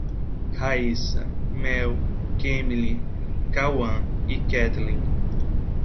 Raíça, Mel, Kemily, Kawan e Ketelen